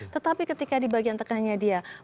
tetapi ketika di bagian tengahnya dia